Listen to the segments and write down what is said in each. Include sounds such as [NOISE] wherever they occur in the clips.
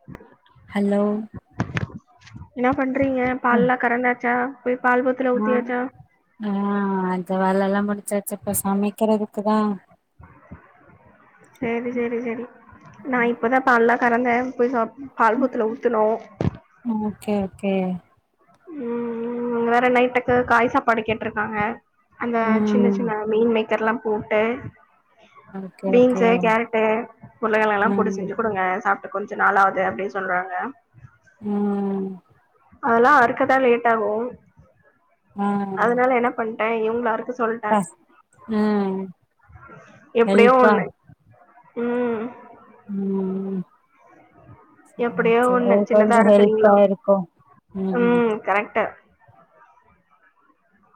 [INAUDIBLE] Hello என்னா பண்றீங்க ஆ பால்லா கறந்தாச்சா போய் பால் பூத்துல ஊத்தியாச்சா ஆ அந்த வேலல்லா முடிச்சாச்சு இப்ப சமைக்கிறதுக்கு தா சேரி சேரி சேரி நா இப்பதா பால்லா கறந்தே போய் பால் பூத்துல ஊத்துனொ ஓகே ஓகே ம் வேற நைட்டுக்கு காய் சாப்பாடு கேட்ருக்காங்க அந்த ம் சின்ன சின்ன மீன் மேக் கர்லா போட்டு ஓகே ஓகே பீன்ஸ் கேரட்டு உருளகெழங்கல்லா ம் போட்டு செஞ்சு குடுங்க சாப் கொஞ்ச நாள் ஆகுது அப்டின் சொல்றாங்க ம் அதெல்லா அறுக்கதா லேட் ஆகு ஆ அதுனால என்ன பண்டேன் இவுங்கள அருக்க சொல்டேன் பஸ் ம் எப்டியோ ஹெல்ப்பா ஒண்ணு ம் ம் ம் எப்டியோ சேரி ஒண்ணு அது சின்னதா கொஞ்சோ ஹெல்பா அறுக்குறீங்களோ இருக்கும் ம் ம் ம் கரெக்ட்டு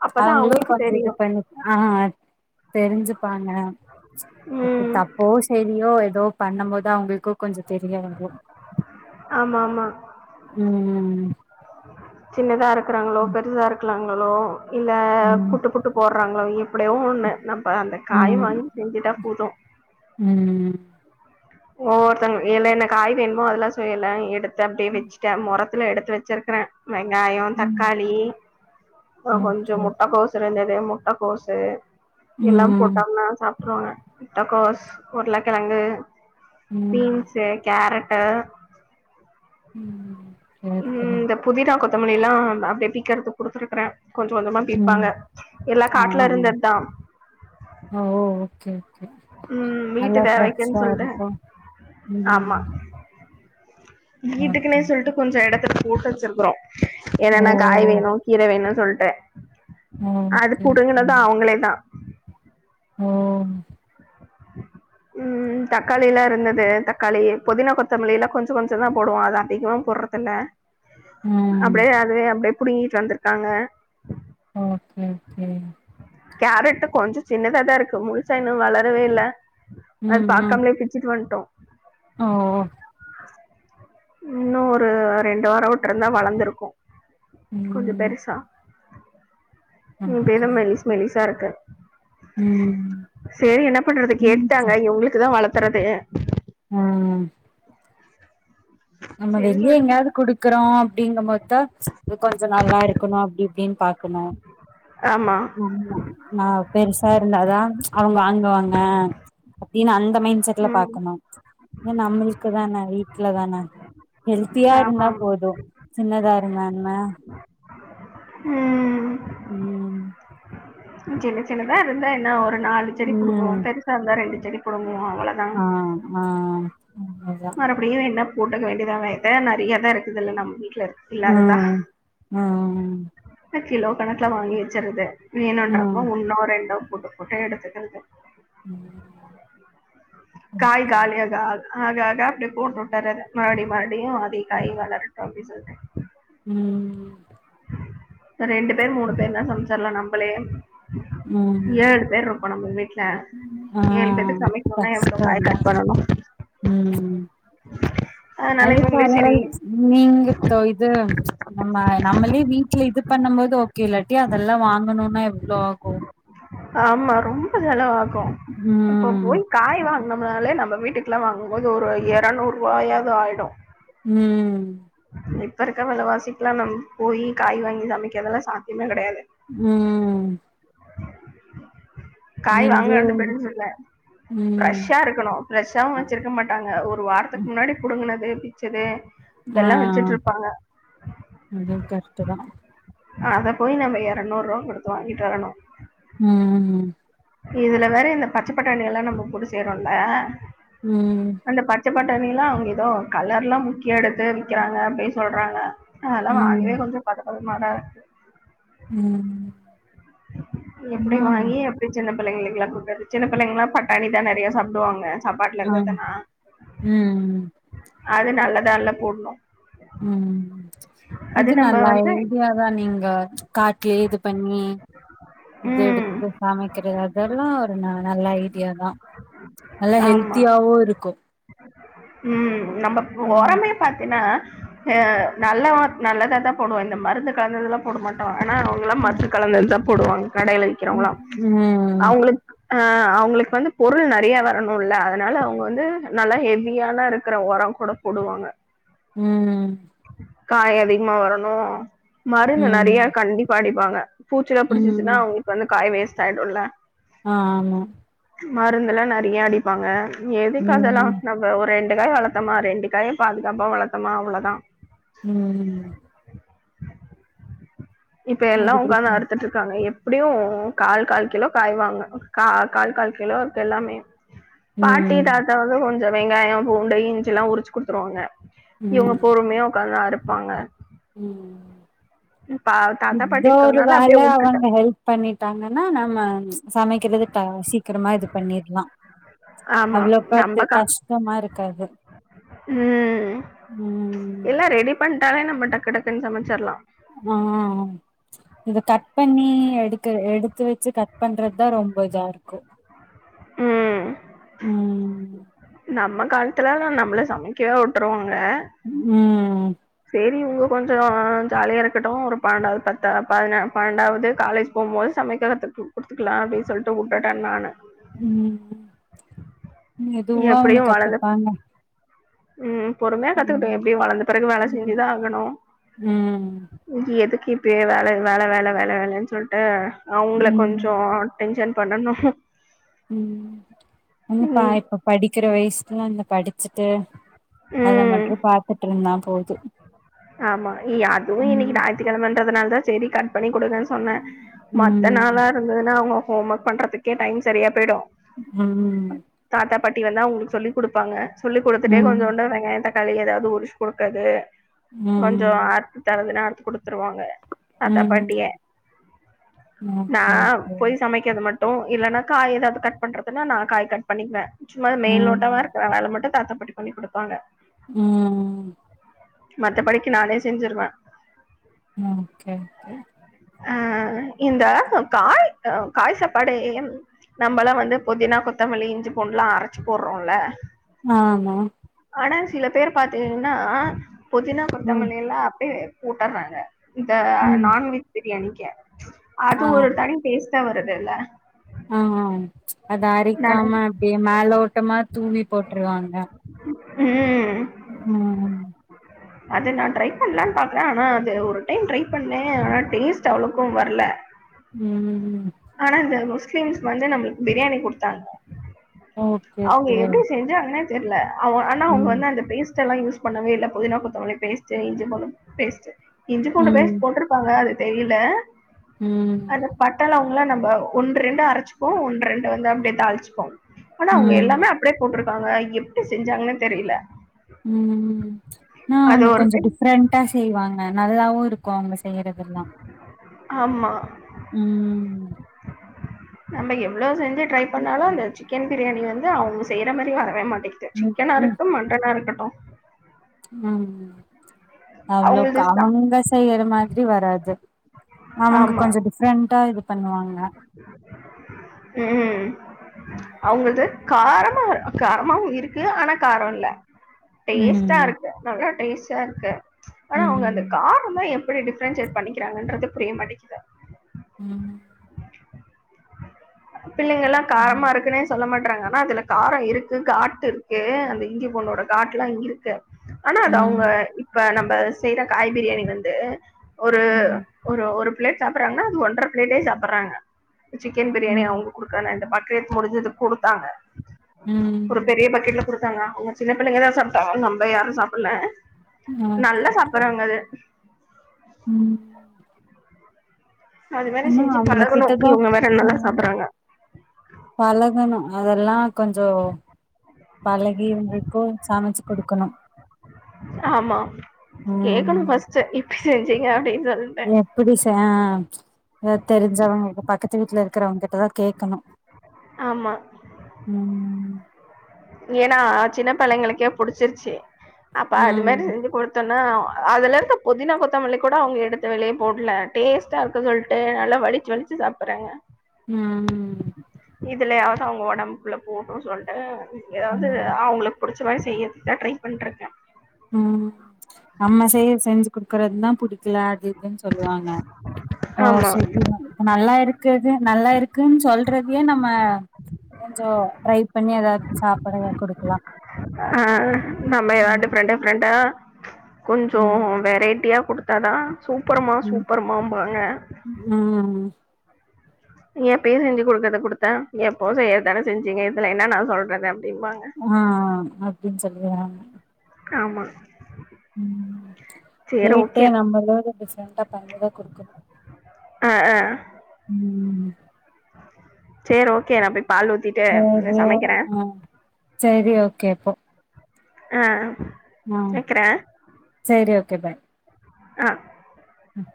அப்பதான் அவுங்களு அவங்களுக்கு கொஞ்சோ இது தெரியும். பண்ணி ஆ தெரிஞ்சுப்பாங்க ம்ச் எப்டி ம். தப்போ செரியோ ஏதோ பண்ணும் போதா அவங்களுக்கு கொஞ்சோ தெரிய வரும் ஆமா ஆமா ம் ம் ம் சின்னதா இருக்கிறாங்களோ பெருசா இருக்கலாங்களோ இல்ல ம் கூட்டு புட்டு போடுறாங்களோ எப்டியோ ஒன்னு நம்ம அந்த காய் ம் வாங்கி செஞ்சுட்டா போதும் ம் ஒவ்வொருத்தங்க என்ன என்ன காய் வேணுமோ அதெல்லா செய்யல எடுத்த அப்டியே வச்சு சேன் முரத்துல எடுத்து வச்சிருக்கறேன் வெங்காயம் ம் தக்காளி ஆ கொஞ்சோ ஓகே முட்டக்கோசு இருந்தது முட்டக்கோசு எல்லாம் ம் போட்டோம்னா சாப்பிட்டுருவாங்க முட்டக்கோஸ் உருளக்கிழங்கு ம் பீன்ஸ்ஸு கேரட்டு ம் ம் ம் இந்த புதினா கொத்தமல்லி எல்லா அப்டி அப்டி கிரதுக்கு குடுத்துருக்கறேன் கொஞ்சம் கொஞ்சமா ம் பிப்பாங்க எல்லா ஆ காட்டுல இருந்தது தா ஓ ஓகே ஓகே ம் வீட்டு நல்லா தேவைக்குன்னு ஃபிரஷா சொல்ட்டு இருக்கும் ம் வீட்டுக்குனே ஓகே சொல்லிட்டு கொஞ்சம் இடத்துல போட்டு வச்சிருக்கறோம் ஓ என்னென்னா காய் வேணும் கீர வேணும்னு சொல்லிட்டு அது ஓகே ஓகே புடுங்கினது அவங்களே தா ஓ [INAUDIBLE] ம் தக்காளி எல்லா இருந்தது தக்காளி புதினா கொத்தமல்லி எல்லா கொஞ்ச கொஞ்ச தா போடுவோம் அது அதிகம் போடுறதுயில்ல ம் அப்டியே அது அப்டியே புடுங்கிட்டு வந்திருக்காங்க ஓகே ஓகே கேரட் கொஞ்சோ சின்னதா தான் இருக்கு முழுச்சா இன்னு வளரவே இல்ல அது ம் ம் பாகக்காமலே பிச்சுட்டு வந்துட்டோம் ஓ ஓ ஓ இன்னு ஒரு ரெண்டு வாரோ விட்டிருந்தா வளர்ந்திருக்கு ம் பெரிசா ம் இப்பென்ன ஓகே மெலிஸ் மெலிஸா இருக்கு ம் செரி என்ன பண்றது கேட்டுட்டாங்க ம் இவங்களுக்குதா வளர்த்துறதே ம் நம்ம சரி வெளியே சொல்லிட்டு எங்கயாவது பிச்சு குடுக்குறோ அப்டிங்கும் போதுதா கொஞ்ச நல்லா இருக்கணு அப்டி இப்டின்னு பாக்கணு [INAUDIBLE] ஆமா [UNINTELLIGIBLE] நா பெருசா இருந்தாதா ம்ச் அவங்க வாங்குவாங்க அப்டின்னு அந்த மைண்ட் செட்ல ம் பாக்கணு இது நம்மளுக்கு தான வீட்டுல தான ஹெல்த்தியா ஆமா இருந்தா ஆமா போது சின்னதா இருந்தா என்ன ம் ம் சின்ன சின்னதா இருந்தா என்னா ஒரு நாலு செடி கொடுக்குவோ ம் பெருசா இருந்தா ரெண்டு செடி புடுங்குவோ அவ்வளோதா ஆ ஆ அவ்ளோதா மறுபடியு என்ன போட்டுக்க வேண்டியதா வேத நெறையாதா இருக்குது இல்ல நம்ம வீட்டுல இருக்கு இல்லாததா ம்ம் கிலோ கணக்குல வாங்கி வச்சறது ம் வேண்ணுன்றப்ப ஒன்னோ ரெண்டோ போட்டு போட்டு எடுத்துக்கறது ம் [INAUDIBLE] காய் காலியாக ஆக ஆக ஆக அப்டி போட்டு விட்டர்ரது மறுபடி மறுபடியு அதே காய் வளரட்டும் அப்டின் சொல்லிட்டு ம் ரெண்டு பேர் மூணு பேர் தா சமைச்சிடலா நம்மளே ம் ஏழு பேர் இருக் நம்ம வீட்டுல ஆ ஏழு பேத்து சமைக்கணும்னா எவ்வளவு காய் கஷ்டந்தா கட் பண்ணணு ம் அதனால அது இவங்களே சரி பரவல்ல நீங்க தொய்த்து நம்ம நம்மளயே வீட்ல இது பண்ணும் போது ஓகே இல்லாட்டி அதெல்லா வாங்கணும்னா எவ்ளோ ஆகு ஆமா ரொம்ப செலவாகு இப்ப ம் போய் காய் வாங்கன நம்னாலே நம்ம வீட்டுக்குல்லா வாங்கும் போது ஒரு இரநூறு ரூபாயாது ஆயிடு ம் இப்ப இருக்க விலவாசிக்க எல்லா நம்ம போய் காய் வாங்கி சமைக்குறத்துல்லா சாத்தியமே கிடையாது ம் காய் நீங்களு வாங்கறது பெருசுல்ல ம் ஃப்ரெஷ்ஷா இருக்கு கன்னு அ வச்சிருக்க மாட்டாங்க ஒரு வாரத்துக்கு ம். முன்னாடி புடுங்கனது பிச்சது ஆ இதெல்லா வச்சுட்டு இருப்பாங்க அதுவும் கருட் தா அத போய் நம்ம இரநூறு ரூபா கொடுத்து வாங்கிட்டு வரணு ம் ம் இதுல வேற இந்த பச்ச பட்டாணி எல்லா நம்ம கூட செய்யறோம்ல ம் அந்த பச்ச பட்டணி எல்லா அவங்க ஏதோ கலர் எல்லா முக்கி எடுத்து விறக்கிறாங்க அப்டின்னு சொல்றாங்க அதெல்லா வாங்கவே ம் கொஞ்ச பத பதமாரா இருக்கு ம் [UNINTELLIGIBLE] எப்டி ஆ வாங்கி அப்டி சின்ன பிள்ளைங்களுக்கு எல்லா கொடுக்கிறது சின்ன பிள்ளைங்களலா பட்டாணி தா நெறைய சாப்டுவாங்க சாப்ட்டுல ஆ இருந்ததுனா ம் அது நல்லதா இல்ல போடணு ம் இது நம்ம நல்லா வந்து இதுதா நீங்க காட்டலயே இது பண்ணி இது ம் எடுத்து சமைக்கிறது அதெல்லா ஒரு ந நல்ல ஐடியா தா ம் [INAUDIBLE] நல்லா ஹெல்த்தியாவு இருக்கும் ம் நம்ம ம் ஓரமே பாத்தீன்னா அ நல்ல நல்லதா தா போடுவோ இந்த மருந்து கலந்ததெல்லா போட மாட்டோ ஆனா அவங்கல்லா. ம் மருந்து கலந்தது தா போடுவாங்க கடையில விக்கிறவங்களா ம் அவங்களுக்கு ஆ அவங்களுக்கு வந்து பொருள் நெறைய வரணும்ல அதனால அவங்க வந்து நல்லா ஹெவியான இருக்குற உர கூட போடுவாங்க காய் அதிகமா வரணு மருந்து நெறைய ம் கண்டிப்பா அடிப்பாங்க பூச்சிலா புடிச்சிச்சுன்னா ம் அவங்களுக்கு வந்து காய் வேஸ்ட் ஆயிடும்ல ஆ ஆமா மருந்துல்லா நெறைய அடிப்பாங்க எதுக்கு அதுல்லா ம் ஒரு ரெண்டு காய் வளத்தம்மா ரெண்டு காய் பாதுகாப்பா வளத்தமா அவுளோதா ம் இப்ப எல்லா உக்காந்து அதுக்கு அறுத்துட்டு காங்க எப்புடியு கால் கால் கிலோ காய்வாங்க கா கால் கால் கிலோக்கு எல்லாமே பாட்டி ம் தாத்தா வந்து கொஞ்ச வெங்காயோ பூண்டு இஞ்சில்லா உரிச்சு குடுத்துருவாங்க இவுங்க ம் பொறும்யா உக்காந்து அறுப்பாங்க ம் பா தாத்தா பாட்டி இத்தோ ஒரு இருக்கறதுனால வேல அப்டியே வுட்டுட்டே அவங்க ஹெல்ப் பண்ணிட் ட்டாங்கன்னா நம்ம சமக்கறது த சீக்கிரமா இது பண்ணிட்லா ஆமா அவ்ளோகா நம்ப அது கா கஷ்ட்டமா இருக்காது ம் ம் எல்லா ரெடி பண்ட்டாலே நம்ம டக்கு டக்குன் சமச்சற்லா ஆ இது கட் பண்ணி எடுக்க எடுத்து வெச்சு கட் பண்றத்தா ரொம்ப இதா இருக்கு ம் ம் நம்ம கால்த்துலா நம்ள சமக்கவே உட்டுருவாங்க ம் சேரி இவுங்க கொஞ்ச ஜாலியா இருக்கட்டு ஒரு பன்னண்டாவ்து பத்தா பதின பன்னண்டாவுது காலேஜ் போம்மோது சமக்ககத்து குட்த்துக்லா அப்டின் சொல்ட்டு உட்டுட்ட நானு ம் மெதுவா அவுங்க எப்டியு வளந்த கத்துப்பாங்க ம் பொறும்யா கத்துக்குட்டு ம் எப்டியு வளந்த பெறகு வேல ம் செஞ்சுதா ஆகணு ம் இ எதுக்கு இப்யே வேல வேல வேல வேல வேலன் சொல்ட்டு அவ்ங்ள ம் கொஞ்சோ டென்ஷன் பண்ணனு ம் என்னப்பா இப்ப படிக்கிற வய்சலா இந்த படிச்ட்டு அத ம் மட்ரு பாத்துட்ருந்தா போது ஆமா இ அதுவு இன்னிக்கி ம் ஞாயித்த்க்கெழமன்றத் நாலதா செரி கட் பண்ணி குடுங்கன் சொன்ன மத்த ம் நாளா இருந்ததுன்னா அவுங்க ஹோம் ஒர்க் பண்றதுக்கே டைம் சரியா பெய்டு ம் தாத்தா பாட்டி வந்தா அவுங்ளுக்கு சொல்லி குடுப்பாங்க சொல்லி குடுத்துட்டே ம் கொஞ்சசோன்டு வெங்காய தக் தளி எதாவ்து உரிச் குடுக்கர்து கொஞ்சோ ம் ஆறுத்து தரதுன்ன அறுத் குடுத்துருவாங்க தாத்தா ம் பாட்டிய நா ஓகே ஓகே போய் சமைக்கர்து மட் டு இல்லன்னா காய் எதாவ்து கட் பண்றதுன்னா நா காய் கட் பண்ணிக்குவ சும்ம மேல் ஓட்டவர் ம் அ அத மட்டு தாத்தா பாட்டி பண்ணி குடுப்பாங்க ம் மத்த படிக்கு நானே செஞ்சிருவ ம் கே கே அ இந்த காய் அ காய் சாப்பாடு நம்பல்லா வந்து புதினா கொத்தமல்லி இஞ்சி பூண்டுல்லா அரச்சு போற்றோல்ல ஆமா ஆனா சில பேர் பாத்தீங்கன்னா பொதினா ம் கொத்தமல்லி எல்லா அப்பே போட்ட நாங்க இந்த ம் நான்வெஜ் பிரியாணிக்கே அது ஆ ஒரு தனி டேஸ்ட்டா வரதுல்ல ஆ ஹா அத நானு அரிக்காம அப்டியே மேலோட்டமா தூவி போட்ருவாங்க ம் ம் அது நா ட்ரை பண்ணலான்னு பாக்குற ஆனா அது ஒரு டைம் ட்ரை பண்ணே ஆனா டேஸ்ட்டு அவ்ளோக்கு வரல ம் ஆனா இந்த முஸ்லிம்ஸ் வந்து நம்மளுக்கு பிரியாணி குடுத்தாங்க ஓகே அவுங்க ஓகே எப்டி செஞ் சாங்கனே தெரில அவ ஆனா அவுங்க ம் வந்து அந்த பேஸ் [UNINTELLIGIBLE] ல்லாம் யூஸ் பண்ணவே இல்ல புதினா கொத்தமல்லி பேஸ்ட்டு இஞ்சி பூண்டு பேஸ்ட்டு இஞ்சி‌ பூண்டு ம் பேஸ்ட் போற்று ப்பாங்க அது தெரியல ம் பட்ட லவங்கோலா நம்ப ஒன்று ரெண்டு அரைச்சிப்போ ஒன்று ரெண்டு வந்து அப்டியே தாளிச்சுப்போ ஆனா அவுங்க ம் எல்லாமே அப்டியே போட்ருக்காங்க எப்டி செஞ்சாங்கன்னே தெரில ம் ம் ஆனா அவுங்க கொஞ்சோ டைம் டிஃப்ரெண்டா செய்வாங்க நல்லாவு இருக் கு அவுங்க செய்யறதெல்லா ஆமா ம் நம்ப எவ்ளோ செஞ்சு ட்ரை பண்ணாலு ம் அந்த சிக் சிக்கன் பிரியாணி வந்து அவுங்க செய்ற மாரி வரவே மாட்டேது சிக்கன ம் இருக்கட்டு மட்டனா இருக்கட்டு ம் அவ்ளோ அவங்களது கா சா அவுங்க செய்யற மாரி வராது அவுங்க ஆமா. கொஞ்சோ டிஃப்ரெண்ட்டா இது பண்ணுவாங்க ம் ம் அவுங்குள்ட்ட காரமா காரமாவு இருக்கு ஆனா காரோ இல்ல டேஸ்ட்டா ம். இருக்கு நல்லா டேஸ்ட்டா இருக்கு ஆனா அவுங்க அந்த ம். காரோதா எப்பிடி டிஃப்ரென்சேட் பண்ணிக்கிறாங்கன்றதே புரிய மாடேங்க்குது ம் பிள்ளைங்க எல்லா காரமா ம். இருக்குன்னே சொல்ல மாட்றாங்க ஆனா அதுல காரோ இருக்கு காட்டு இருக்கு அந்த இஞ்சி பூண்டோட காட்லா இருக்கு ஆனா அது அவுங்க ம். இப்ப நம்ப செய்யிற காய் பிரியாணி வந்து ஒரு ம். ஒரு ஒரு பிளேட் சாப்புறாங்க அது ஒன்ற பிளேட்டே சாப்புறாங்க சிக்கன் பிரியாணி ம். அவுங்க குடுக்கல இந்த பக் கேட் முடிஞ்சது குடுத்தாங்க ஒரு ம். பெரிய பக்கெட்ல குடு த்தாங்க அவுங்க சின்ன பிள்ளைங்கதா சாப்ட்டாங்க நம்ப யாரு சாப்புல ஓகே நல்லா ஓகே. சாப்புறாங்க அத ம் அது மாரி ஆனா செஞ்சி அவங்க பழகணு கிட்டதா இவுங்க வேற நல்லா சாப்பறாங்க பழகுணு அதெல்லா கொஞ்சோ பழகி இருந்துக்கோ சமச்சி குடுக்குணும் ஆமா கேக்குணு ம் ஃபஸ்ட்டு எப்பி செஞ்சீங்க அப்டின்னு சொல் எப்பிடி சா ஆ தெரிஞ்சவுங்க பக்கத்து வீட்ல இருக்குறவுங்க கிட்டதா கேக்கணு ஆமா ம் ஏனா சின்ன பிள்ளைங்களுக்கே புடிச்சிருச்சி அப்ப அது மாரி ம். செஞ்சி குடு த்தோனா அதுல இருக்க பொதினா கொத்தமல்லி கூட அவுங்க எடுத்து வெளிய போட்ல டேஸ்டா இருக்கு சொல்ட்டு நல்லா வலிச் சி வலிச்சி சாப்பறாங்க ம். இதுலயாவது அவுங்க ஒடம்குள்ள போடுன் சொல்ட்டு ஏதாவது ம். அவுங்குளுக்கு புடிச்ச மாரி செய்யறதுக்குதா ட்ரை பண்ட்ருக்க ம் நம்ம செய்ய செஞ்சி குடுக்கறது தா புடிக்குல அதுஇதுன்னு சொல்லுவாங்க ஓ ஆமாம் செரி நல்லா இருக்குது நல்லா இருக்குன்னு சொல்றதியு நம்ம கொஞ்சோ ட்ரை பண்ணி எதாவது ஆ நம்ம எதாவ்து ம் டிஃப்ரெண்ட் டிஃப்ரெண்டா கொஞ்சோ ம் வெரைட்டியா குடுத்தா தா சூப்பருமா சூப்பருமாம்பாங்க ஆ எப்பயு செஞ்சு குடுக்கறத குடுத்தா எப்போ செய்யற்தானே செஞ்சீங்க இதுல என்ன நா சொல்றது அப்டின்ம்பாங்க ஆ அப்டின் சொல்லுவியா ஆமா ம் கேட்டா நம்ம எதாவ்து டிஃப்ரெண்டா பண்ணிதா குடுக்கணு ஆ ஆ ம் சேரி ஓகே நா போய் பாலு ஊத்திட் சேரியா ஆ சேரி ஓகே போ ஆ ஆ வைக்கிறேன் சேரி ஓகே பாய் ஆ ம்